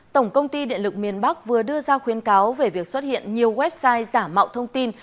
tổng công ty điện lực miền bắc vừa đưa ra khuyến cáo về việc xuất hiện nhiều website giả mạo thông tin